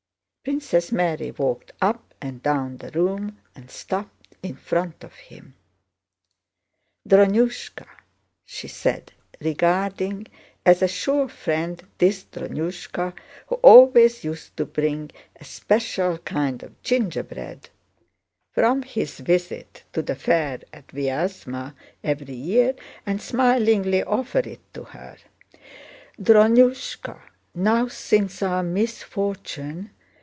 Princess Mary walked up and down the room and stopped in front of him. "Drónushka," she said, regarding as a sure friend this Drónushka who always used to bring a special kind of gingerbread from his visit to the fair at Vyázma every year and smilingly offer it to her, "Drónushka, now since our misfortune..."